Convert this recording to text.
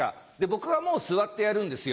僕はもう座ってやるんですよ。